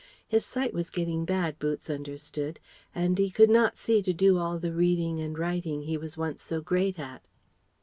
His sight was getting bad, Boots understood, and he could not see to do all the reading and writing he was once so great at.